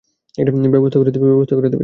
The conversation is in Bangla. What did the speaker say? ব্যবস্থা করে দেবে?